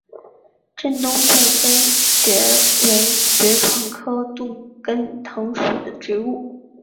滇东杜根藤为爵床科杜根藤属的植物。